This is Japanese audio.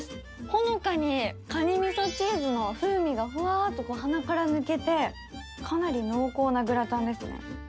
ほのかにかにみそチーズの香りがふわっと鼻から抜けてかなり濃厚なグラタンですね。